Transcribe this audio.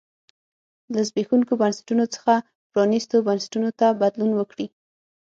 له زبېښونکو بنسټونو څخه پرانیستو بنسټونو ته بدلون وکړي.